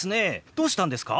どうしたんですか？